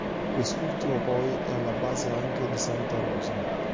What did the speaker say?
Quest'ultimo poi è alla base anche di Santa Rosa.